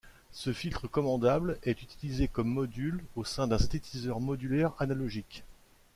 Ce filtre commandable est utilisé comme module au sein d'un synthétiseur modulaire analogique.